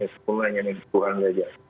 sepuluhnya ini tuhan saja